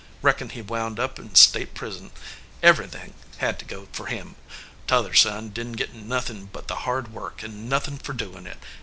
Reckon he wound up in state prison. Everything had to go for him. T other son didn t git nothin but the hard work, an nothin for doin it.